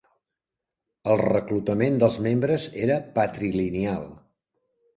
El reclutament dels membres era patrilineal.